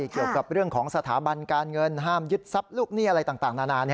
เกี่ยวกับเรื่องของสถาบันการเงินห้ามยึดทรัพย์ลูกหนี้อะไรต่างนานา